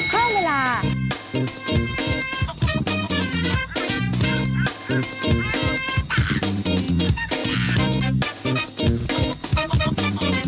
สวัสดีครับ